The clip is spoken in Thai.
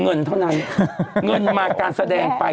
เงินเท่านั้นเงินมาการแสดงไป